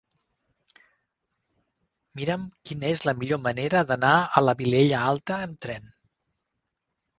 Mira'm quina és la millor manera d'anar a la Vilella Alta amb tren.